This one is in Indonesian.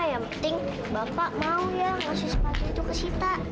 yang penting bapak mau ya ngasih sepatu itu ke sita